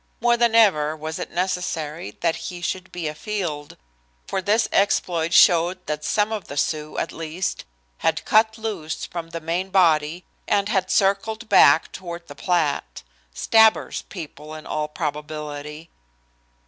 More than ever was it necessary that he should be afield, for this exploit showed that some of the Sioux, at least, had cut loose from the main body and had circled back toward the Platte Stabber's people in all probability.